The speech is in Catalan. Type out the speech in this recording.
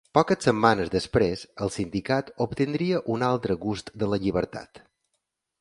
Poques setmanes després, el sindicat obtindria un altre gust de la llibertat.